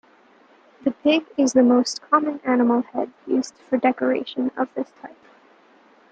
The pig is the most common animal head used for decoration of this type.